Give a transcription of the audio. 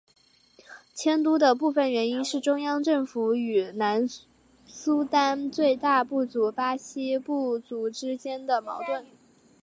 迁都的部分原因是中央政府与南苏丹最大部族巴里部族之间的矛盾。